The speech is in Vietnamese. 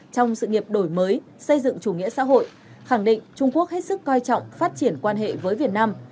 trong sự nghiệp đổi mới xây dựng chủ nghĩa xã hội khẳng định trung quốc hết sức coi trọng phát triển quan hệ với việt nam